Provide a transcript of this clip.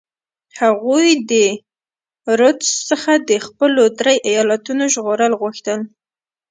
هغوی د رودز څخه د خپلو درې ایالتونو ژغورل غوښتل.